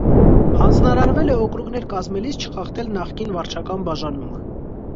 Հանձնարարվել է օկրուգներ կազմելիս չխախտել նախկին վարչական բաժանումը։